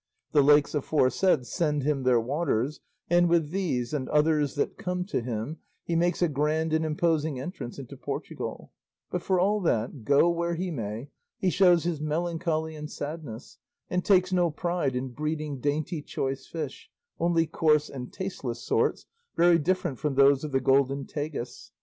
The lakes aforesaid send him their waters, and with these, and others that come to him, he makes a grand and imposing entrance into Portugal; but for all that, go where he may, he shows his melancholy and sadness, and takes no pride in breeding dainty choice fish, only coarse and tasteless sorts, very different from those of the golden Tagus.